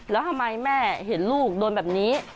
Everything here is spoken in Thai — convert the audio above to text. แล้วทำไมแม่เห็นลูกโดนแบบนี้